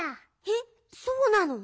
えっそうなの？